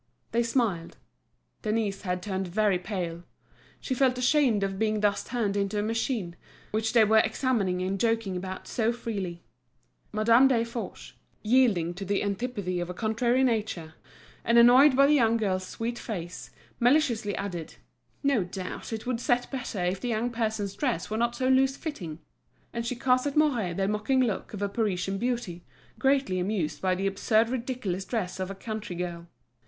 They smiled. Denise had turned very pale. She felt ashamed at being thus turned into a machine, which they were examining and joking about so freely. Madame Desforges, yielding to the antipathy of a contrary nature, and annoyed by the young girl's sweet face, maliciously added: "No doubt it would set better if the young person's dress were not so loose fitting." And she cast at Mouret the mocking look of a Parisian beauty, greatly amused by the absurd ridiculous dress of a country girl.